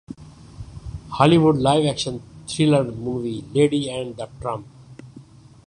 ہالی would live action thriller movie lady and the Trump